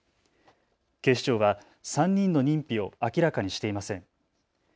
警視庁は３人の認否を明らかにしていません。